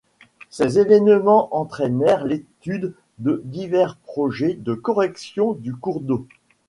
Ces événements entrainèrent l'étude de divers projets de correction du cours d'eau.